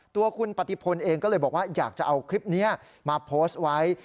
ตัวคุณปฏิพลเองก็เลยบอกว่าอยากจะเอาคลิปนี้มาโพสต์ไว้